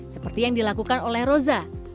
seperti yang dilakukan oleh roza